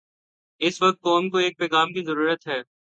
اس وقت قوم کو ایک پیغام کی ضرورت ہے۔